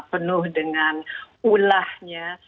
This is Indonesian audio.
penuh dengan ulahnya